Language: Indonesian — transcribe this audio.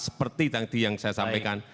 seperti yang saya sampaikan